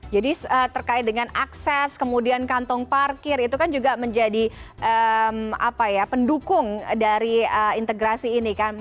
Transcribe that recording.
jadi terkait dengan akses kemudian kantong parkir itu kan juga menjadi pendukung dari integrasi ini kan